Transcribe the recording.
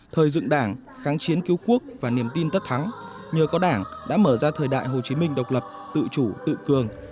thời dựng đảng kháng chiến cứu quốc và niềm tin tất thắng nhờ có đảng đã mở ra thời đại hồ chí minh độc lập tự chủ tự cường